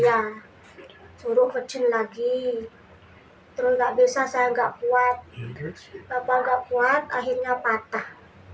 ya suruh kecil lagi terlalu gak bisa saya enggak buat apa enggak buat akhirnya patah